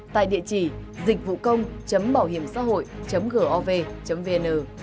tại địa chỉ dịchvucông bảohiểmxãhội gov vn